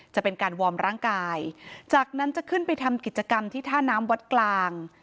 จะเป็นการวอร์มร่างกายจากนั้นจะขึ้นไปทำกิจกรรมที่ท่าน้ำวัดกลาง